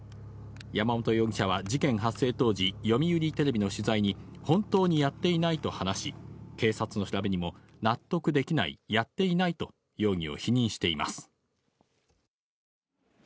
山本容疑者は事件発生当時、読売テレビの取材に、本当にやっていないと話し、警察の調べにも、納得できない、やっていないと、容疑を否認しています。